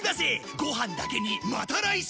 ご飯だけにまたライス！